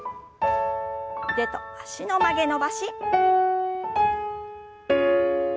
腕と脚の曲げ伸ばし。